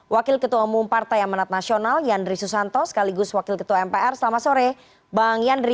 wakil ketua umum partai amanat nasional yandri susanto sekaligus wakil ketua mpr selamat sore bang yandri